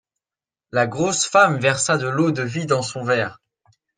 La grosse femme versa de l'eau-de-vie dans son verre.